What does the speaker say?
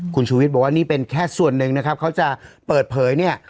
คุณชูวิทย์บอกว่านี่เป็นแค่ส่วนหนึ่งนะครับเขาจะเปิดเผยเนี่ย